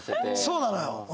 そうなのよ。